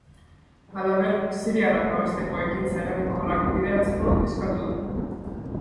Halaber, siriarrak babesteko ekintza eraginkorrak bideratzeko eskatu du.